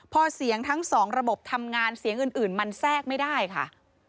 พอเสียงทั้งสองระบบทำงานเสียงอื่นมันแทรกไม่ได้ค่ะ